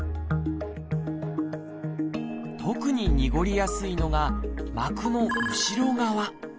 特ににごりやすいのが膜の後ろ側。